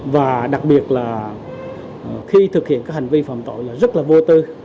và đặc biệt là khi thực hiện các hành vi phạm tội là rất là vô tư